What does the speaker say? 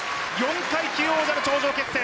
４階級王者の頂上決戦。